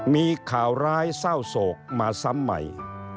มีข่าวร้ายเศร้าโศกมาซ้ำใหม่